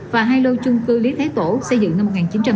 và hai lô chung cư lý thái tổ xây dựng năm một nghìn chín trăm chín mươi hai